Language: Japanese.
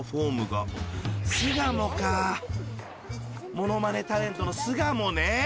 ［ものまねタレントのスガモね！］